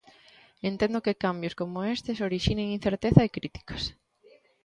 Entendo que cambios como estes orixinen incerteza e críticas.